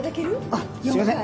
あっすいません。